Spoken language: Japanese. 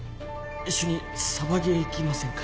一緒にサバゲー行きませんか？